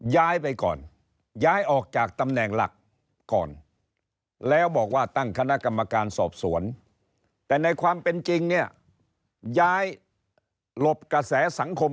ย้ายออกจากตำแหน่งหลัก